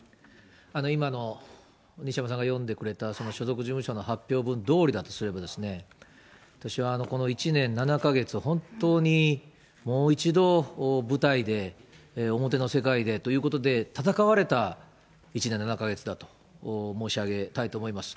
今の、西山さんが読んでくれた、その所属事務所の発表文どおりだとすれば、私はこの１年７か月、本当にもう一度舞台で表の世界でということで、闘われた１年７か月だと申し上げたいと思います。